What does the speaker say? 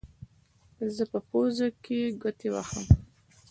زه په پوزو کې ګوتې وهم.